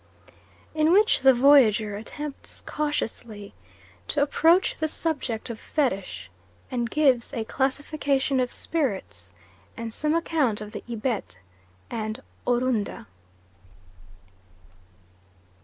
In which the Voyager attempts cautiously to approach the subject of Fetish, and gives a classification of spirits, and some account of the Ibet and Orunda.